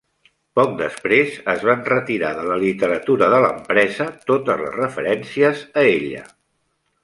Poc després, es van retirar de la literatura de l'empresa totes les referències a ella.